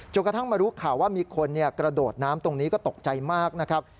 กระทั่งมารู้ข่าวว่ามีคนกระโดดน้ำตรงนี้ก็ตกใจมากนะครับ